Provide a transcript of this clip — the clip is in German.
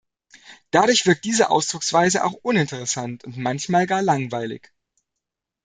Dadurch wirkt diese Ausdrucksweise auch uninteressant und manchmal gar langweilig.